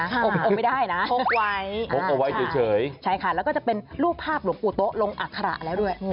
เออไม่ได้นะพกไว้เฉยใช่ค่ะแล้วก็จะเป็นรูปภาพหรือปูโต๊ะลงอักขระแล้วด้วย